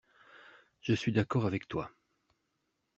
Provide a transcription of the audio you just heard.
Je suis d’accord avec toi.